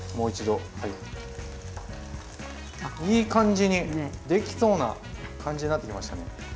いい感じにできそうな感じになってきましたね。